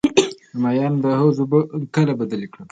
د ماهیانو د حوض اوبه کله بدلې کړم؟